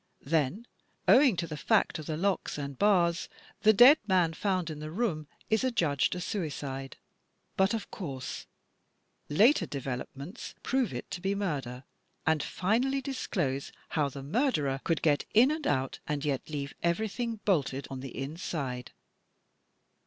Then, owing to the fact of the locks and bars, the dead man found in the room is adjudged a suicide. But, of course, later developments prove it to be murder and finally disclose how the murderer could get in and out and yet leave everything bolted on the inside.